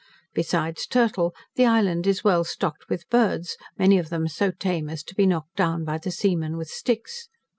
Besides turtle, the island is well stocked with birds, many of them so tame as to be knocked down by the seamen with sticks.